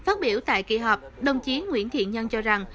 phát biểu tại kỳ họp đồng chí nguyễn thiện nhân cho rằng